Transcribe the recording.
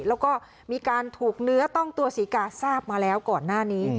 แล้วก็มีการถูกเนื้อต้องตัวศรีกาทราบมาแล้วก่อนหน้านี้